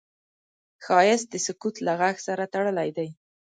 ښایست د سکوت له غږ سره تړلی دی